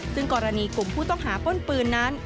ซึ่งกรณีกลุ่มผู้ต้องหาป้นปืนนั้น